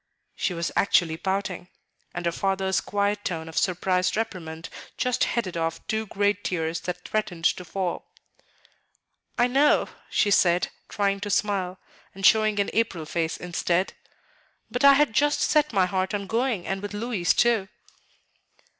She was actually pouting; and her father's quiet tone of surprised reprimand just headed off two great tears that threatened to fall. "I know," she said, trying to smile, and showing an April face instead; "but I had just set my heart on going, and with Louis too."